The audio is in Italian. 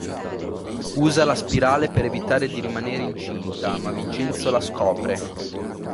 Usa la spirale per evitare di rimanere incinta ma Vincenzo la scopre.